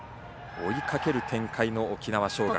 追いかける展開の沖縄尚学。